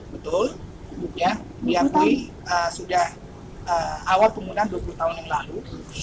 betul diakui sudah awal penggunaan dua puluh tahun yang lalu